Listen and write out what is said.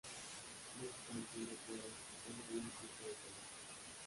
No obstante, no aclara si sólo hay un tipo de calor.